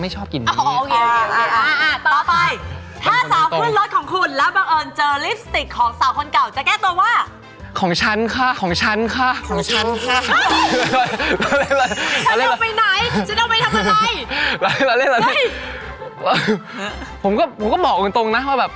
จะเป็นเสร็จยังไง